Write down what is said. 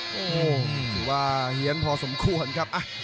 คือว่าเหี้ยนพอสมควรครับ